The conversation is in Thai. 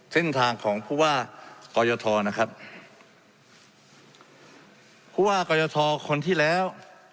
เส้นทางของผู้ว่ากรยทนะครับผู้ว่ากรยทคนที่แล้ว